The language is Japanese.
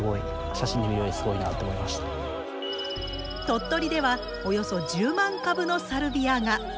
鳥取ではおよそ１０万株のサルビアが。